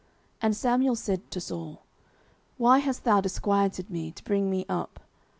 09:028:015 And Samuel said to Saul, Why hast thou disquieted me, to bring me up?